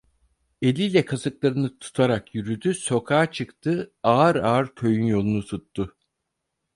Eliyle kasıklarını tutarak yürüdü, sokağa çıktı, ağır ağır köyün yolunu tuttu.